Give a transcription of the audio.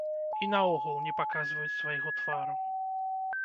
І наогул не паказваюць свайго твару.